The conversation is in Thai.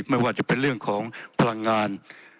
ไม่ว่าจะเป็นเรื่องของพลังงาน